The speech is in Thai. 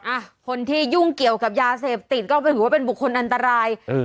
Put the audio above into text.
อ่ะคนที่ยุ่งเกี่ยวกับยาเสพติดก็ถือว่าเป็นบุคคลอันตรายเออ